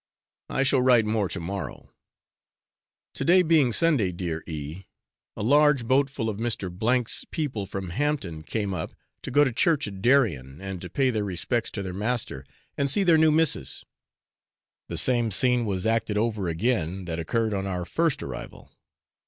I shall write more to morrow. To day being Sunday, dear E , a large boat full of Mr. 's people from Hampton came up, to go to church at Darien, and to pay their respects to their master, and see their new 'Missis.' The same scene was acted over again that occurred on our first arrival.